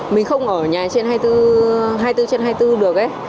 mình không ở nhà hai mươi bốn trên hai mươi bốn được đấy